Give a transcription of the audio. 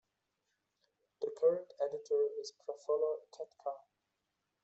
The current editor is Prafulla Ketkar.